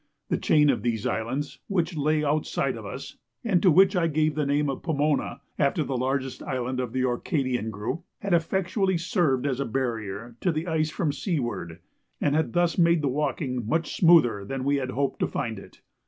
A chain of these islands, which lay outside of us, and to which I gave the name of Pomona, (after the largest island of the Orcadian group,) had effectually served as a barrier to the ice from seaward, and had thus made the walking much smoother than we had hoped to find it.